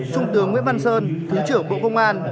trung tướng nguyễn văn sơn thứ trưởng bộ công an